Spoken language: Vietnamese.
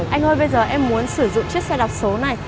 anh ơi bây giờ em muốn sử dụng chiếc xe đạp số này